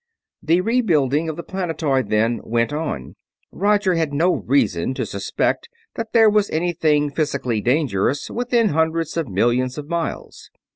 The rebuilding of the planetoid, then, went on. Roger had no reason to suspect that there was anything physically dangerous within hundreds of millions of miles.